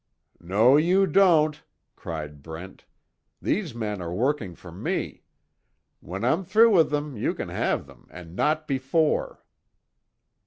"No, you don't!" cried Brent, "These men are working for me. When I'm through with them you can have them, and not before."